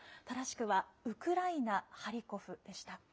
正しくは、ウクライナ・ハリコフでした。